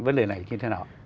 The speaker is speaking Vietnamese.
vấn đề này như thế nào